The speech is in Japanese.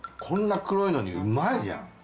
こんな黒いのにうまいじゃん！